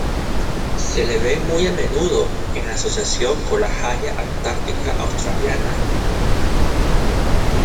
Se le ve muy a menudo en asociación con la Haya antártica australiana.